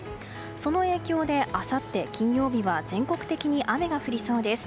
その影響であさって金曜日は全国的に雨が降りそうです。